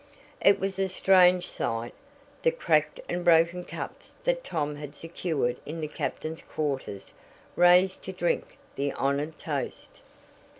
It was a strange sight the cracked and broken cups that Tom had secured in the captain's quarters raised to drink the honored toast!